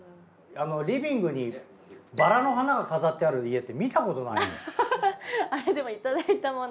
リビングにバラの花が飾ってある家って見たことないもん。